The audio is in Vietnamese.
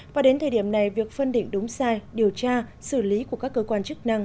và đến thời điểm này việc phân định đúng sai điều tra xử lý của các cơ quan chức năng